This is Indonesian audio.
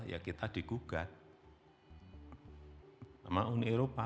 ya kita digugat sama uni eropa